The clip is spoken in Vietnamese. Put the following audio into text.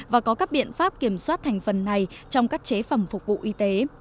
và có các biện pháp kiểm soát thành phần này trong các chế phẩm phục vụ y tế